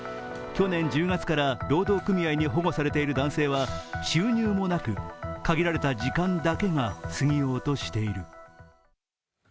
去年１０月から労働組合に保護されている男性は、収入もなく限られた時間だけが過ぎようとしている。